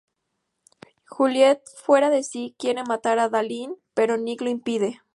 Juliette fuera de sí, quiere matar a Adalind, pero Nick lo impide.